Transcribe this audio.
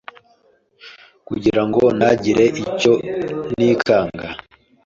kugira ngo ntangire ntacyo nikanga